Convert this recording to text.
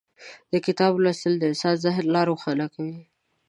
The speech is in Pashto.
د کتاب لوستل د انسان ذهن لا روښانه کوي.